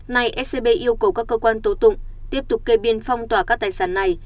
này scb yêu cầu các cơ quan tố tụng tiếp tục cây biên phong tỏa các tài sản này